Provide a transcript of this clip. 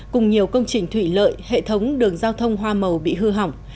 cùng nhiều công trình thủy lợi hệ thống đường giao thông hoa màu bị hư hỏng